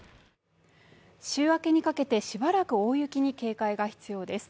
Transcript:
週明けにかけて、しばらく大雪に警戒が必要です。